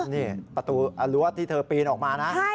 นี่ประตูรั้วที่เธอปีนออกมานะ